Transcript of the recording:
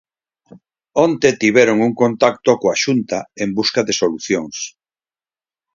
Onte tiveron un contacto coa Xunta en busca de solucións.